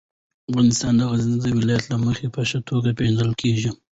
افغانستان د غزني د ولایت له مخې په ښه توګه پېژندل کېږي.